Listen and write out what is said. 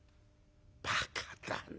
「バカだね